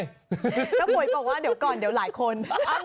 น้องปุ๋ยบอกว่าเดี๋ยวก่อนหลายคน